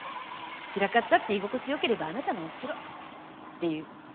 散らかったって居心地良ければあなたのお城っていう。